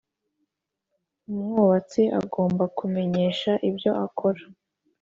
umwubatsi agomba kumenyesha ibyo akora